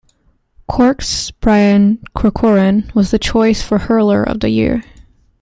Cork's Brian Corcoran was the choice for Hurler of the Year.